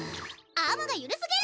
アームがゆるすぎる！